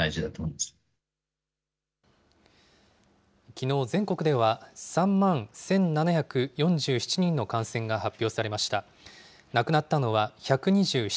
きのう、全国では３万１７４７人の感染が発表されました。